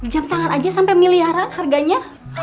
jam tangan aja sampai miliaran harganya